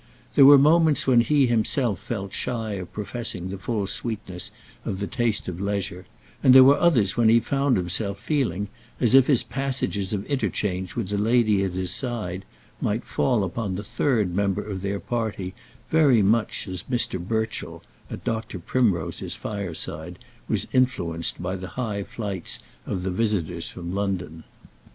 There were moments when he himself felt shy of professing the full sweetness of the taste of leisure, and there were others when he found himself feeling as if his passages of interchange with the lady at his side might fall upon the third member of their party very much as Mr. Burchell, at Dr. Primrose's fireside, was influenced by the high flights of the visitors from London.